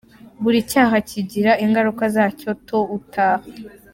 Buri cyaha kigira ingaruka zacyo tot ou tard.